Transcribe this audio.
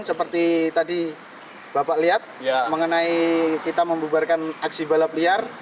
seperti tadi bapak lihat mengenai kita membubarkan aksi balap liar